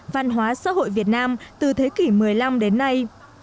văn hóa xã hội việt nam từ thế kỷ một mươi năm đến nay